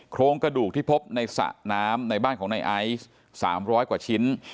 โครงกระดูกที่พบในสระน้ำในบ้านของในไอซ์๓๐๐กว่าชิ้น